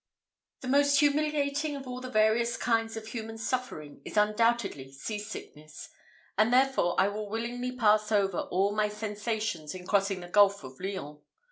The most humiliating of all the various kinds of human suffering is undoubtedly sea sickness, and therefore I will willingly pass over all my sensations in crossing the Gulf of Lyons.